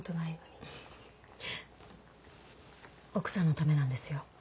奥さんのためなんですよ。